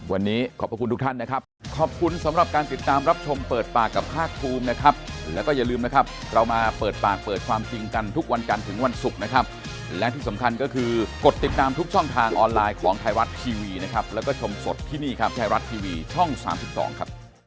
วันนี้ขอบคุณทุกท่านนะครับ